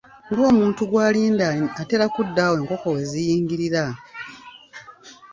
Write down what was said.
Ng'omuntu gw’alinda atera kudda awo ng'enkoko we ziyingirira.